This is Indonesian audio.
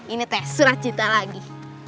ini teh surat cinta lagi